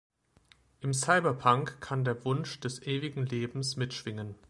Im Cyberpunk kann der Wunsch des ewigen Lebens mitschwingen.